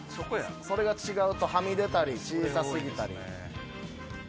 それが違うとはみ出たり小さ過ぎたり。